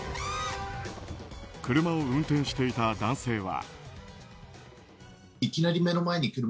車を運転していた男性は。